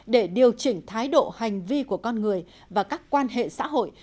để điều chỉnh thái độ hành vi của con người và các quan hệ xã hội